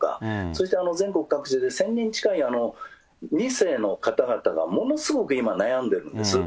そして全国各地で１０００人近い２世の方々がものすごく今、悩んでるんです。